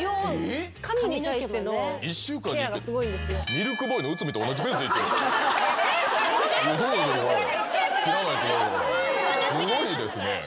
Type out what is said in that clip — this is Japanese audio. すごいですね。